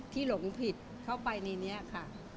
หลงผิดเข้าไปในนี้ค่ะ